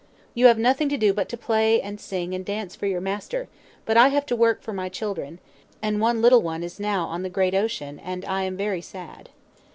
You have nothing to do but to play and sing and dance for your master; but I have to work for my children; and one little one is now on the great ocean, and I am very sad."